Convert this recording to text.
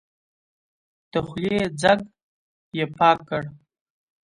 د خولې ځګ يې پاک کړ.